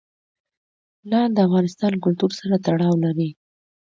لعل د افغان کلتور سره تړاو لري.